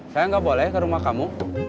saya nggak boleh ke rumah kamu